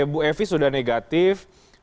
bu evi sudah negatif